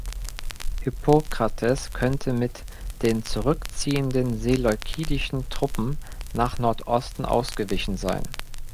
Hippokrates könnte mit den zurückziehenden Seleukidischen Truppen nach Nordosten ausgewichen sein.